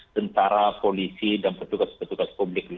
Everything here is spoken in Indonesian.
tentara polisi dan pejabat publik